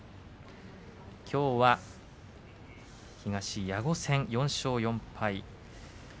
きょうは東、矢後戦、４勝４敗。